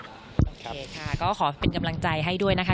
โอเคค่ะก็ขอเป็นกำลังใจให้ด้วยนะคะ